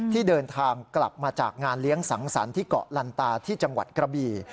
ที่เดินทางกลับมาจากงานเลี้ยงสังสรรค์ที่เกาะลันตาที่จังหวัดกระบี่